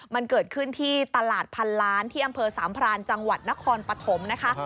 มันเกิดขึ้นที่ตลาดพันล้านที่อำเภอสามพรานจังหวัดนครปฐมนะคะ